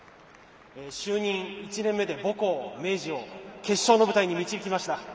就任１年目で母校・明治を決勝の舞台に導きました。